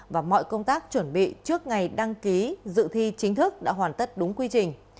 và mọi công tác chuẩn bị trước ngày đăng ký dự thi chính thức đã hoàn tất đúng quy trình